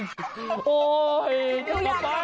ถูกอยากกลับบ้าน